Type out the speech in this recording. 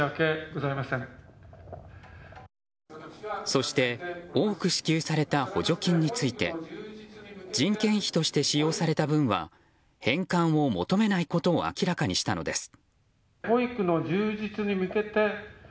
そして、多く支給された補助金について人件費として使用された分は返還を求めないことを明らかにしたのです。